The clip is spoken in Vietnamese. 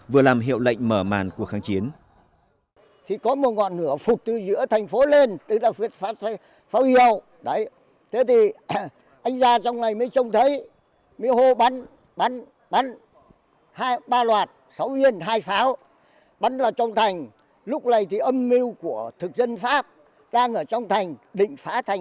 vừa làm hiệu lệnh mở màn của kháng chiến